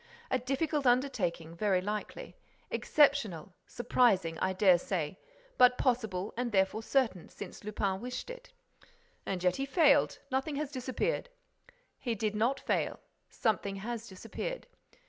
A difficult undertaking, very likely; exceptional, surprising, I dare say; but possible and therefore certain, since Lupin wished it." "And yet he failed: nothing has disappeared." "He did not fail: something has disappeared."